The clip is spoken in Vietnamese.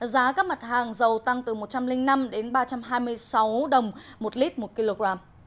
giá các mặt hàng dầu tăng từ một trăm linh năm đến ba trăm hai mươi sáu đồng một lít một kg